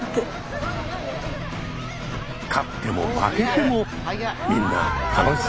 勝っても負けてもみんな楽しそうです。